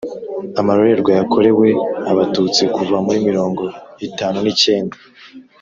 amarorerwe yakorewe abatutsi kuva muri mirongo itanu n’icyenda